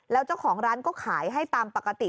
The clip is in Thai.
แล้วเจ้าของร้านก็ขายให้ตามปกติ